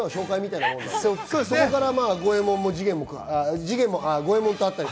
そこから五右衛門も次元も。